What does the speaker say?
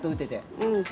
うん。